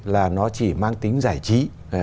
là nó chỉ mang tính giải trí